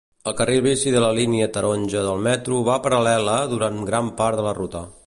El carril bici de la línia taronja del metro va parel·la durant gran part de la ruta.